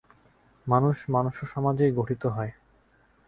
মানুষ মনুষ্যসমাজেই গঠিত হয়।